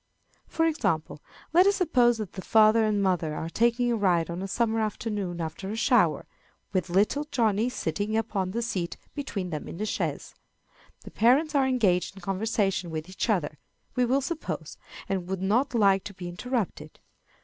For example, let us suppose that the father and mother are taking a ride on a summer afternoon after a shower, with little Johnny sitting upon the seat between them in the chaise. The parents are engaged in conversation with each other, we will suppose, and would not like to be interrupted.